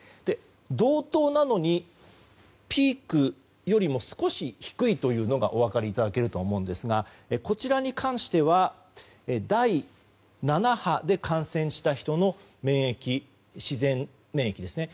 同等なのにピークよりも少し低いというのがお分かりいただけると思うんですがこちらに関しては第７波で感染した人の自然免疫ですね。